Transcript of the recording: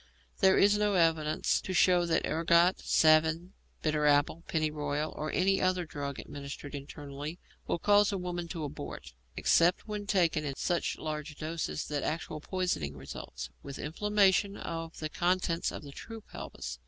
There is no evidence to show that ergot, savin, bitter apple, pennyroyal, or any other drug administered internally, will cause a woman to abort, except when taken in such large doses that actual poisoning results, with inflammation of the contents of the true pelvis.